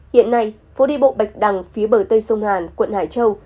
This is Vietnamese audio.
hiện nay phố đi bộ bạch đằng phía bờ tây sông hàn quận hải châu